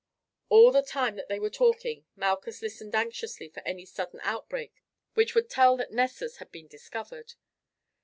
All the time that they were talking Malchus listened anxiously for any sudden outbreak which would tell that Nessus had been discovered.